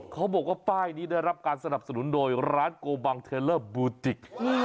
เขาบอกว่าป้ายนี้ได้รับการสนับสนุนโดยร้านโกบังเทลเลอร์บูจิก